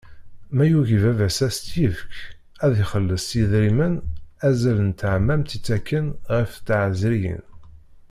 Ma yugi baba-s ad s-tt-ifk, ad ixelleṣ s yidrimen azal n teɛmamt i ttaken ɣef tɛezriyin.